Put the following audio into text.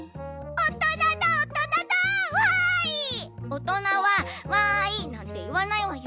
おとなは「わい！」なんていわないわよ。